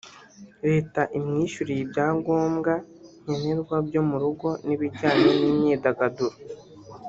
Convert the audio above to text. Leta imwishyurire ibyangobwa nkenerwa byo mu rugo n’ibijyanye n’imyidagaduro